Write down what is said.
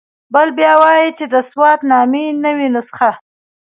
بل بیا وایي چې د سوات نامې نوې نسخه.